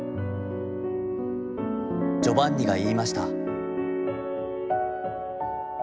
ジョバンニが云ひました」。